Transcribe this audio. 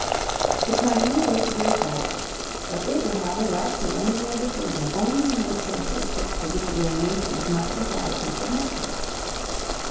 The tribunal was to be established, but it would have the right to render a decision only in those cases which the disagreeing nations might decide to submit to it.